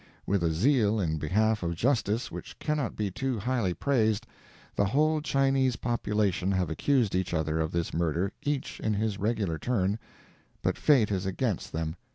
With a zeal in behalf of justice which cannot be too highly praised, the whole Chinese population have accused each other of this murder, each in his regular turn, but fate is against them.